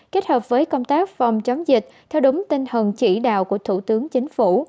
kết hợp với công tác phòng chống dịch theo đúng tinh thần chỉ đạo của thủ tướng chính phủ